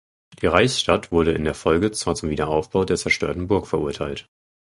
Die Reichsstadt wurde in der Folge zwar zum Wiederaufbau der zerstörten Burg verurteilt.